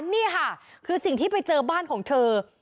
นี่ค่ะคือสิ่งที่ไปเจอบ้านของเธอ